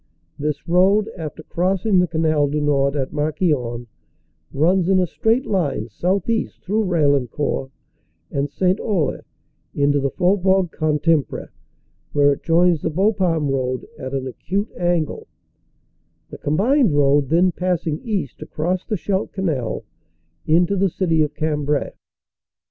This road, after crossing the Canal du Nord at Marquion, runs in a straight line southeast through Raillen court and St. Olle into the Faubourg Caritimpre, where it joins the Bapaume road at an acute angle, the combined road then passing east across the Scheldt Canal into the City of Cambrai.